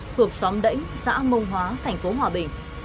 thuộc xóm đẫy xã mông hóa thành phố hòa bình